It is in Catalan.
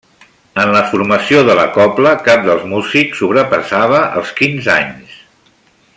En la formació de la cobla cap dels músics sobrepassava els quinze anys.